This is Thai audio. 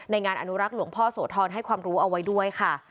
งานอนุรักษ์หลวงพ่อโสธรให้ความรู้เอาไว้ด้วยค่ะ